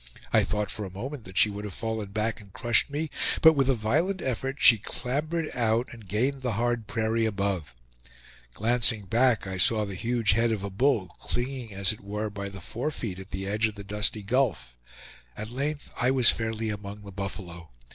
I thought for a moment that she would have fallen back and crushed me, but with a violent effort she clambered out and gained the hard prairie above. Glancing back I saw the huge head of a bull clinging as it were by the forefeet at the edge of the dusty gulf. At length I was fairly among the buffalo.